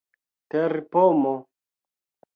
terpomo